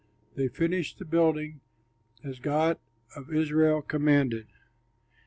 They finished the building as the God of Israel commanded.